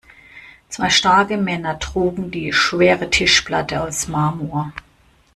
Zwei starke Männer trugen die schwere Tischplatte aus Marmor.